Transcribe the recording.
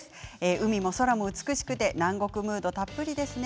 海も空も美しくて南国ムードたっぷりですね。